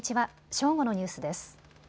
正午のニュースです。